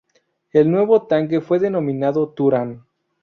El nuevo tanque fue denominado 'Turán'.